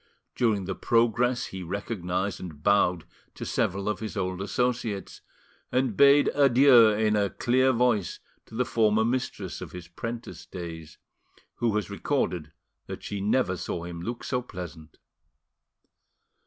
During the progress he recognised and bowed to several of his old associates, and bade adieu in a clear voice to the former mistress of his 'prentice days, who has recorded that she never saw him look so pleasant.